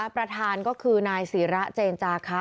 ประธานก็คือนายศิระเจนจาคะ